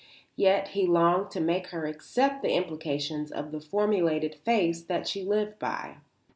Yet he longed to make her accept the implications of the formulated faiths that she lived by.